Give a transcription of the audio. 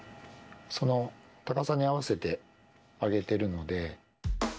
その高さに合わせて上げてるので。